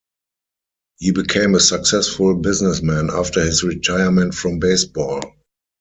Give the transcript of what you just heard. He became a successful businessman after his retirement from baseball.